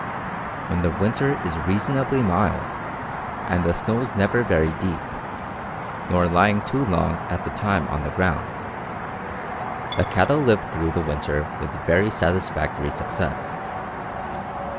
When the winter is reasonably mild, and the snows never very deep, nor lying too long at a time on the ground, the cattle live through the winter with very satisfactory success.